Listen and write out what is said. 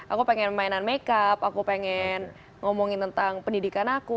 aku pengen mainan makeup aku pengen ngomongin tentang pendidikan aku